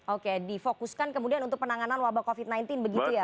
oke di fokuskan kemudian untuk penanganan wabah covid sembilan belas begitu ya pak